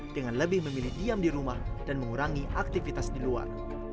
dengan lebih memilih diam di rumah dan mengurangi aktivitas di luar